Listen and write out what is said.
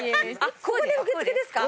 ここで受付ですか？